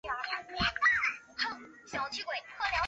南浦镇是中国福建省南平市浦城县已经撤销的一个镇。